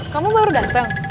kamu baru datang